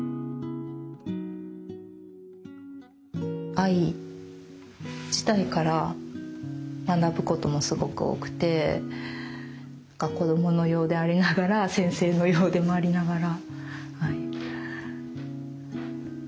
藍自体から学ぶこともすごく多くてなんか子どものようでありながら先生のようでもありながら。